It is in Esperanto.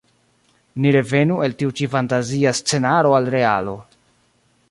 Ni revenu el tiu ĉi fantazia scenaro al realo.